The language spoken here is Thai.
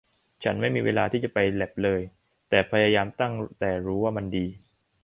ฉันไม่มีเวลาที่จะไปแลปเลยแต่พยายามตั้งแต่รู้ว่ามันดี